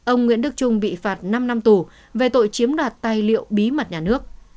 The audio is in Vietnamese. ông nguyễn đức trung bị phạt năm năm tù về tội chiếm đoạt tài liệu bí mật nhà nước